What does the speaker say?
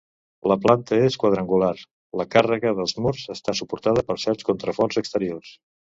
La planta és quadrangular, la càrrega dels murs està suportada per set contraforts exteriors.